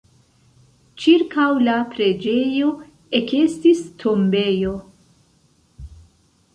Ĉirkaŭ la preĝejo ekestis tombejo.